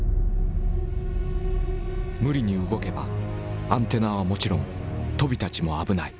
無理に動けばアンテナはもちろん鳶たちも危ない。